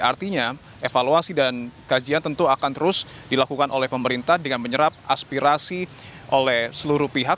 artinya evaluasi dan kajian tentu akan terus dilakukan oleh pemerintah dengan menyerap aspirasi oleh seluruh pihak